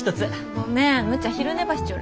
ごめんむっちゃん昼寝ばしちょる。